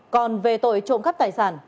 còn về tội trộm cắp tài sản